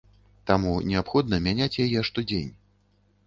Таму неабходна мяняць яе штодзень.